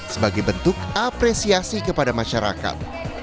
sebagai bentuk apresiasi kepada masyarakat